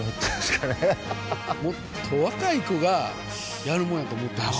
もっと若い子がやるもんやと思ってました